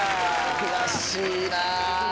悔しいな。